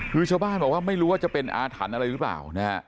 คือชาวบ้านบอกว่าไม่รู้ว่าจะเป็นอาถรรพ์อะไรหรือเปล่านะฮะ